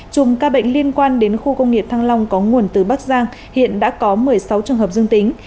chùm ca bệnh liên quan đến khu công nghiệp thăng long có nguồn từ bắc giang hiện đã có một mươi sáu trường hợp dương tính